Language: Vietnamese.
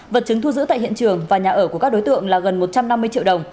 vật chứng thu giữ tại hiện trường và nhà ở của các đối tượng là gần một trăm năm mươi triệu đồng